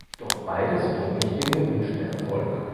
Doch beides bringt nicht den gewünschten Erfolg.